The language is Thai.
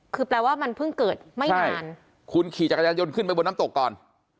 คือแปลว่ามันเพิ่งเกิดไม่นานคุณขี่จักรยานยนต์ขึ้นไปบนน้ำตกก่อน